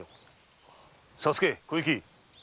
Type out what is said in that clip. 佐助小雪！